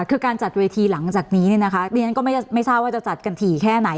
คือการจัดเวทีหลังจากนี้เนี่ยนะคะเรียนก็ไม่ทราบว่าจะจัดกันถี่แค่ไหน